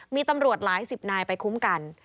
มีตำรวจหลายสิบนายไปคุ้มกัน